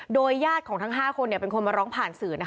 โดยญาติของทั้ง๕คนเป็นคนมาร้องผ่านสื่อ